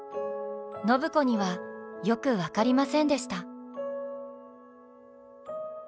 暢子にはよく分かりませんでした。